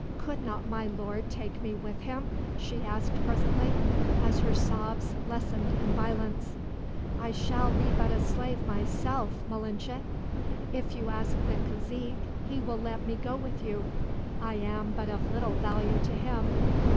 "Could not my lord take me with him?" she asked presently, as her sobs lessened in violence. "I shall be but a slave myself, Malinche." "If you ask the cazique he will let me go with you. I am but of little value to him."